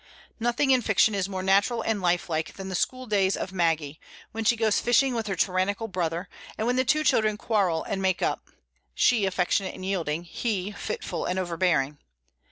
Nothing in fiction is more natural and life like than the school days of Maggie, when she goes fishing with her tyrannical brother, and when the two children quarrel and make up, she, affectionate and yielding; he, fitful and overbearing.